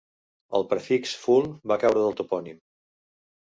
El prefix "ful-" va caure del topònim.